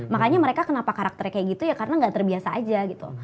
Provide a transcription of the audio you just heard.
makanya mereka kenapa karakternya kayak gitu ya karena nggak terbiasa aja gitu